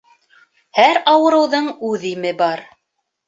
Һәр ауырыуҙың үҙ име бар.